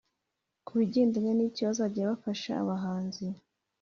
Ku bigendanye n’icyo bazajya bafasha abahanzi